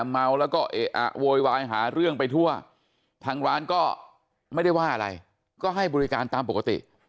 เมาแล้วก็เอะอะโวยวายหาเรื่องไปทั่วทางร้านก็ไม่ได้ว่าอะไรก็ให้บริการตามปกติ